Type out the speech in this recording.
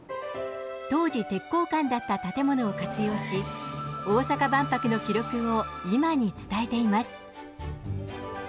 当時、鉄鋼館だった建物を活用し大阪万博の記録を今に伝えています。